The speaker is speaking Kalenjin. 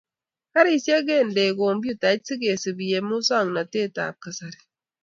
Garisiek kende kompyutait sikesubi eng muswoknatetab kasari